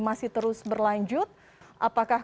masih terus berlanjut apakah